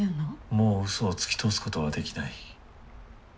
もうウソをつき通すことはできない。